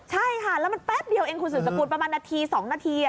ใช่ค่ะแล้วมันแป๊บเดียวเองคุณสืบสกุลประมาณนาที๒นาที